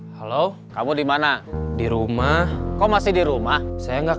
hati hati di jalan